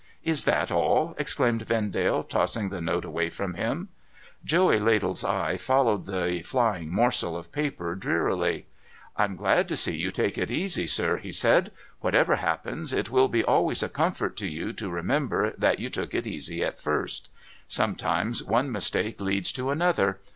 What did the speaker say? ' Is that all !' exclaimed Vendale, tossing the note away from him. Joey Ladle's eye followed the flying morsel of paper drearily. ' I'm glad to see you take it easy, sir,' he said. ' Whatever happens, it will be always a comfort to you to remember that you took it easy at first. Sometimes one mistake leads to another.